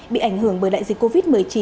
bị ảnh hưởng bởi đại dịch covid một mươi chín